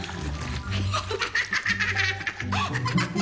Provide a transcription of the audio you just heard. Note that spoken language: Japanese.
アハハハ！